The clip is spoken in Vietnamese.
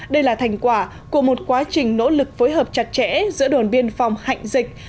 đây là thành quả của một quá trình nỗ lực phối hợp chặt chẽ giữa đồn biên phòng hạnh dịch